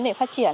để phát triển